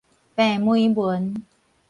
病媒蚊